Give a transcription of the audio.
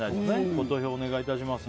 投票をお願いいたします。